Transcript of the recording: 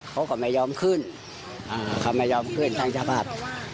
เขาก็ไม่ยอมขึ้นเขาไม่ยอมขึ้นทางเจ้าภาพ